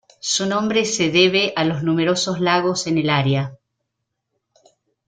Su nombre se debe a los numerosos lagos en el área.